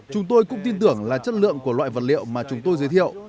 chúng tôi cũng tin tưởng là chất lượng của loại vật liệu mà chúng tôi giới thiệu